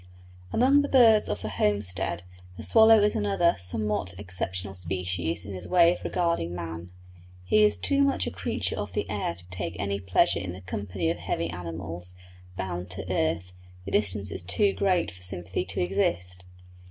Among the birds of the homestead the swallow is another somewhat exceptional species in his way of regarding man. He is too much a creature of the air to take any pleasure in the company of heavy animals, bound to earth; the distance is too great for sympathy to exist.